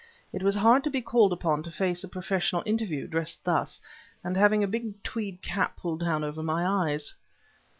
It was hard to be called upon to face a professional interview dressed thus, and having a big tweed cap pulled down over my eyes.